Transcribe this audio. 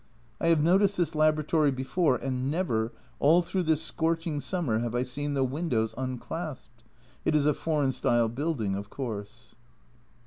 I have noticed this Laboratory before, and never, all through this scorching summer, have I seen the windows unclasped. It is a foreign style building, of course.